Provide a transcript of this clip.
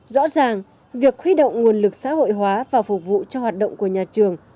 rõ ràng việc khuy động nguồn lực xã hội hóa và phục vụ cho hoạt động của nhà trường